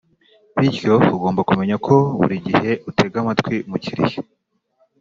Bityo ugomba kumenya ko buri gihe utega amatwi umukiriya